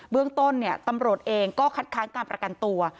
เรื่องต้นตำรวจเองก็คัดค้างการประกันตัว